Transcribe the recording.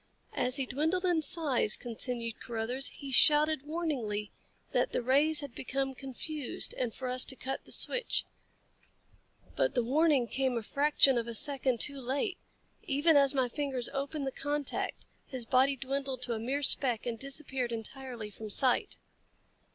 "As he dwindled in size," continued Carruthers, "he shouted warningly that the rays had become confused and for us to cut the switch. But the warning came a fraction of a second too late. Even as my fingers opened the contact, his body dwindled to a mere speck and disappeared entirely from sight."